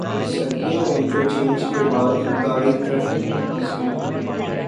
Saggian interchange کے بعد گاڑی ٹریفک میں پھنس گئی۔